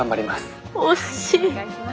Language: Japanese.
惜しい。